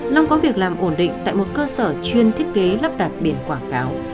long có việc làm ổn định tại một cơ sở chuyên thiết kế lắp đặt biển quảng cáo